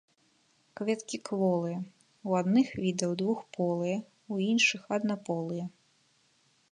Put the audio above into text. Кветкі кволыя, у адных відаў двухполыя, у іншых аднаполыя.